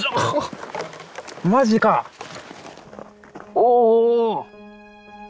おお。